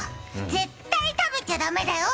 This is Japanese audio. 絶対食べちゃ駄目だよ！